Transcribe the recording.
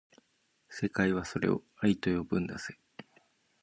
世界はそれを愛と呼ぶんだぜ